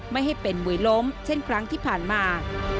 ไม่ให้เป็นมวยล้มเช่นครั้งที่ผ่านมา